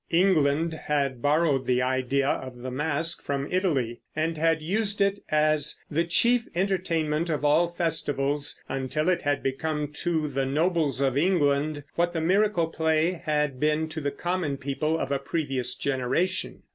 England had borrowed the idea of the masque from Italy and had used it as the chief entertainment at all festivals, until it had become to the nobles of England what the miracle play had been to the common people of a previous generation.